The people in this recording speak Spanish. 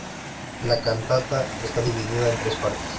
La cantata está dividida en tres partes.